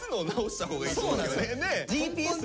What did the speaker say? ＧＰＳ